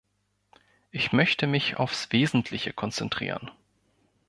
Ich möchte mich aufs Wesentliche konzentrieren.